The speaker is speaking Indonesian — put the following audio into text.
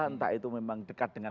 entah itu memang dekat dengan